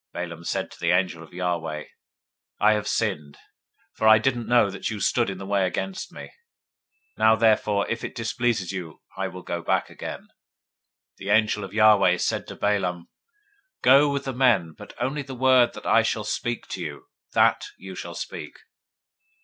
022:034 Balaam said to the angel of Yahweh, I have sinned; for I didn't know that you stood in the way against me: now therefore, if it displease you, I will get me back again. 022:035 The angel of Yahweh said to Balaam, Go with the men; but only the word that I shall speak to you, that you shall speak.